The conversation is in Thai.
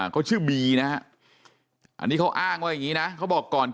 เขาชื่อบี้นะอันนี้เขาอ้างว่าอย่างงี้นะ